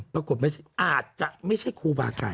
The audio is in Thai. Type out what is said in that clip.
ปรากฎมาไม่ใช่คูบาไก่